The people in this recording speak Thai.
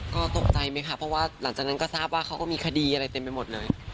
ก็ตกใจไหมคะเพราะว่าหลังจากนั้นก็ทราบว่าเขาก็มีคดีอะไรเต็มไปหมดเลย